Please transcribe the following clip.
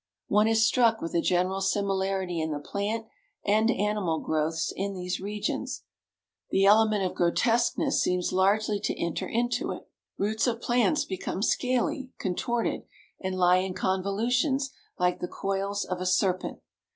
One is struck with a general similarity in the plant and animal growths in these regions: the element of grotesqueness seems largely to enter into it. Roots of plants become scaly, contorted, and lie in convolutions like the coils of a serpent.